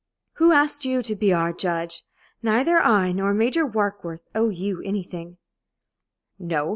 "Who asked you to be our judge? Neither I nor Major Warkworth owe you anything." "No.